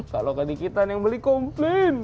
kalau kedikitan yang beli komplain